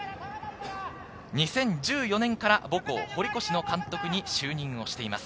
２０１４年から母校・堀越の監督に就任をしています。